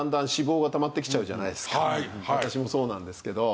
私もそうなんですけど。